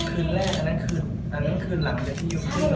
คืนแรกอันนั้นคืนหลังจากที่ยุ่งคืนเลย